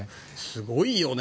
すごいよね。